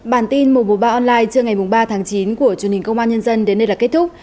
bản tin mùa mùa ba online trưa ngày mùng ba tháng chín của chương trình công an nhân dân đến đây là kết thúc